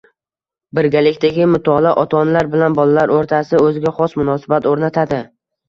Birgalikdagi mutolaa ota-onalar bilan bolalar o‘rtasida o‘ziga xos munosabat o‘rnatadi.